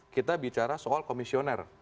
kita bicara soal komisioner